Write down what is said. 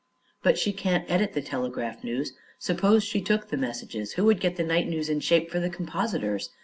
"But she can't edit the telegraph news. Suppose she took the messages, who would get the night news in shape for the compositors?